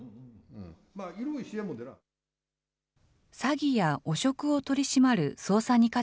詐欺や汚職を取り締まる捜査２課